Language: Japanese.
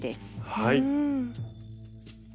はい。